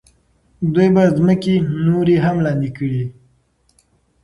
دوی به ځمکې نورې هم لاندې کړي.